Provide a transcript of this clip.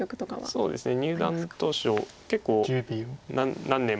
そうなんですね。